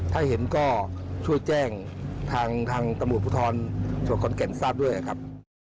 ถ้าเห็นก็ช่วยแจ้งทางตำรวจภูทรจังหวัดขอนแก่นทราบด้วยครับ